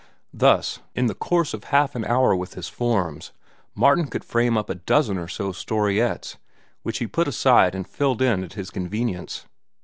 Thus, in the course of half an hour with his forms, Martin could frame up a dozen or so storiettes, which he put aside and filled in at his convenience.